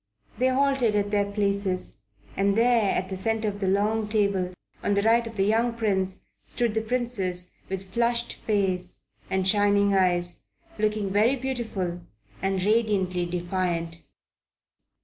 They halted at their places, and there, at the centre of the long table, on the right of the young Prince stood the Princess, with flushed face and shining eyes, looking very beautiful and radiantly defiant.